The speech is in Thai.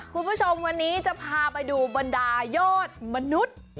คุณผู้ชมวันนี้จะพาไปดูบรรดายอดมนุษย์